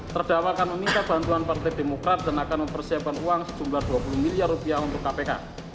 terdakwa akan meningkatkan bantuan partai demokrat dan akan mempersiapkan uang sejumlah rp dua puluh untuk kpk